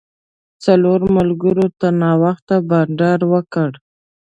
څلورو ملګرو تر ناوخته بانډار وکړ.